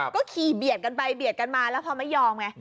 ก็ขี่เบียดกันไปเบียดกันมาแล้วพอไม่ยอมไง